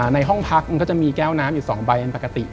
ในห้องพักมันก็จะมีแก้วน้ำอยู่๒ใบเป็นปกติ